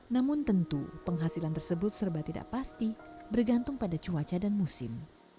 namun tentu penghasilan tersebut serba tidak pasti bergantung pada cuaca dan musim